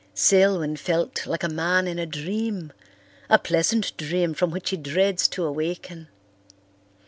Selwyn felt like a man in a dream, a pleasant dream from which he dreads to awaken.